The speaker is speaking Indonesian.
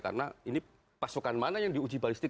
karena ini pasukan mana yang diuji balistik